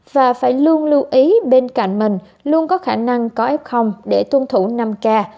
và phải luôn lưu ý bên cạnh mình luôn có khả năng có f để tuân thủ năm k